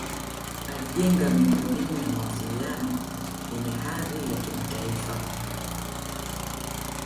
alijenga miundo mbinu ya mawasiliano yenye hadhi ya kimataifa